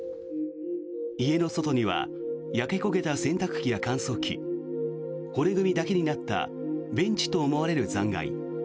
家の外には焼け焦げた洗濯機や乾燥機骨組みだけになったベンチと思われる残骸。